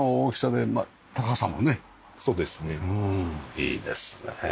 いいですね。